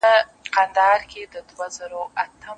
نه منبر سته په دې ښار کي، نه بلال په سترګو وینم